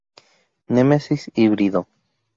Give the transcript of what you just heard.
Nemesis Híbrido.